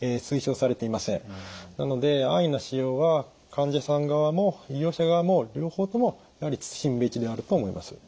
なので安易な使用は患者さん側も医療者側も両方ともやはり慎むべきであると思います。